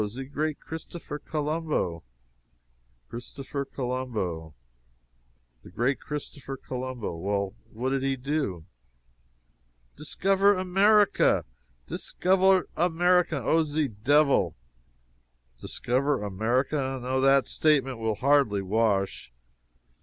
ze great Christopher Colombo!" "Christopher Colombo the great Christopher Colombo. Well, what did he do?" "Discover America! discover America, Oh, ze devil!" "Discover America. No that statement will hardly wash.